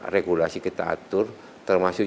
regulasi kita atur termasuk